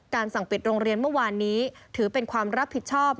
สั่งปิดโรงเรียนเมื่อวานนี้ถือเป็นความรับผิดชอบ